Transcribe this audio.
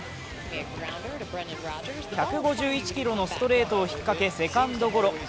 １５１キロのストレートを引っかけセカンドゴロ。